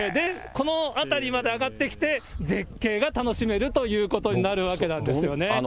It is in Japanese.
この辺りまで上がってきて、絶景が楽しめるというわけなんですよね。